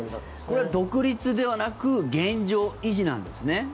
これ、独立ではなく現状維持なんですね。